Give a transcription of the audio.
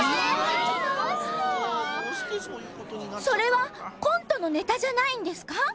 それはコントのネタじゃないんですか？